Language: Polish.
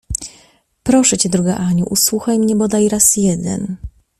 — Proszę cię, droga Aniu, usłuchaj mnie bodaj raz jeden!